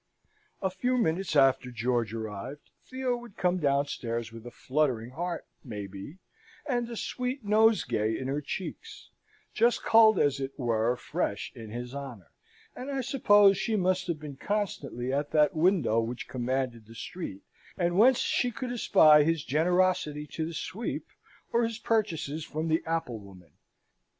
A few minutes after George arrived, Theo would come downstairs with a fluttering heart, may be, and a sweet nosegay in her cheeks, just culled, as it were, fresh in his honour; and I suppose she must have been constantly at that window which commanded the street, and whence she could espy his generosity to the sweep, or his purchases from the apple woman.